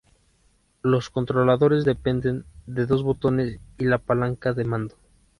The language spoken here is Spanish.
Los controladores dependen de dos botones y la palanca de mando.